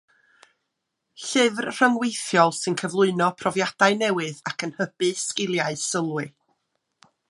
Llyfr rhyngweithiol sy'n cyflwyno profiadau newydd ac yn hybu sgiliau sylwi.